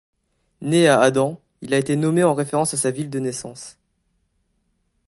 Né à Aden, il a été nommé en référence à sa ville de naissance.